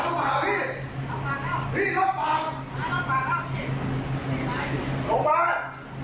มาแล้วมาแล้ว